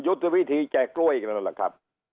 ยุทธวิถีแจกล้วยกันดีกว่าค่ะ